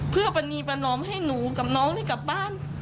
เพื่อปรณีประนอมให้หนูกับน้องได้กลับบ้าน